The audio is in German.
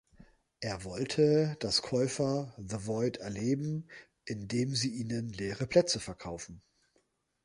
Er wollte, dass Käufer The Void erleben, indem sie ihnen leere Plätze verkaufen.